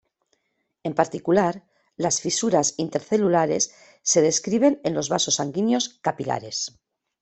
En particular, las fisuras intercelulares se describen en los vasos sanguíneos capilares.